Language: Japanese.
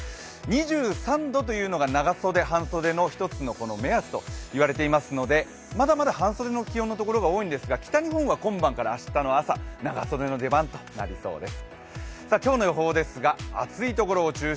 ２３度というのが長袖、半袖の１つの目安といわれていますのでまだまだ半袖の気温のところが多いんですが、北日本は今晩から明日の朝、長袖の出番となりそうです。